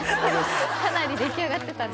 かなり出来上がってたんで。